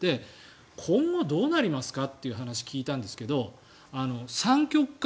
今後、どうなりますかっていう話を聞いたんですが三極化。